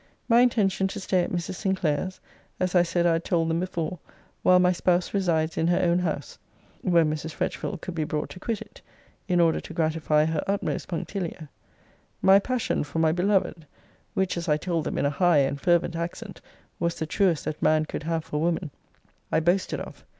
'My intention to stay at Mrs. Sinclair's, as I said I had told them before, while my spouse resides in her own house, (when Mrs. Fretchville could be brought to quit it,) in order to gratify her utmost punctilio. 'My passion for my beloved (which, as I told them in a high and fervent accent, was the truest that man could have for woman) I boasted of.